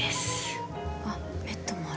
あっベッドもある。